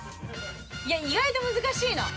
いや意外と難しいな。